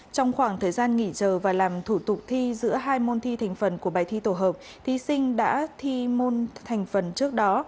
trong khoảng thời gian nghỉ chờ và làm thủ tục thi giữa hai môn thi thành phần của bài thi tổ hợp thí sinh đã thi môn thành phần trước đó